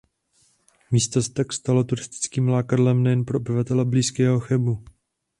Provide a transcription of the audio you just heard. Místo se tak stalo turistickým lákadlem nejen pro obyvatele blízkého Chebu.